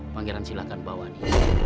pangeran silahkan bawa ini